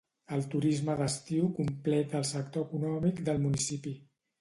El turisme d'estiu completa el sector econòmic del municipi.